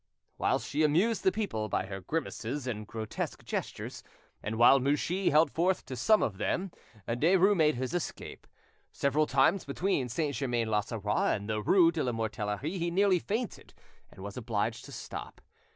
Whilst she amused the people by her grimaces and grotesque gestures, and while Mouchy held forth to some of them, Derues made his escape. Several times between Saint Germain l'Auxerrois and the rue de la Mortellerie he nearly fainted, and was obliged to stop.